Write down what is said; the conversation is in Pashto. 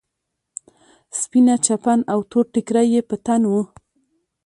سپينه چپن او تور ټيکری يې په تن و.